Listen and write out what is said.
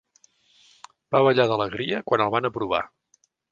Va ballar d'alegria quan el van aprovar.